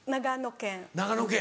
長野県。